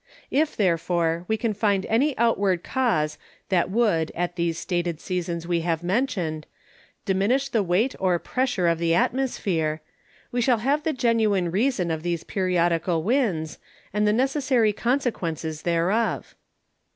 If therefore we can find any outward Cause that would at these stated Seasons we have mentioned, diminish the Weight or Pressure of the Atmosphere; we shall have the genuine Reason of these Periodical Winds, and the necessary Consequences thereof.